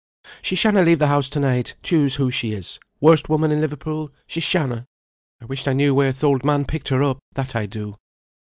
She shanna leave the house to night, choose who she is, worst woman in Liverpool, she shanna. I wished I knew where th' old man picked her up, that I do."